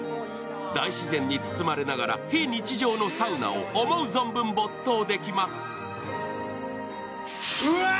大自然に包まれながら非日常のサウナを思う存分没頭できます。